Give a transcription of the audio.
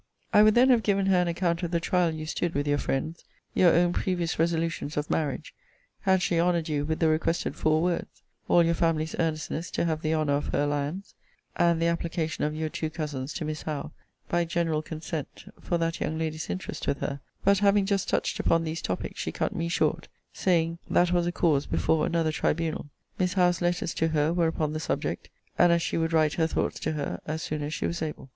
I would then have given her an account of the trial you stood with your friends: your own previous resolutions of marriage, had she honoured you with the requested four words: all your family's earnestness to have the honour of her alliance: and the application of your two cousins to Miss Howe, by general consent, for that young lady's interest with her: but, having just touched upon these topics, she cut me short, saying, that was a cause before another tribunal: Miss Howe's letters to her were upon the subject; and as she would write her thoughts to her as soon as she was able.